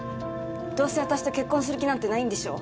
どうせ私と結婚する気なんてないんでしょ？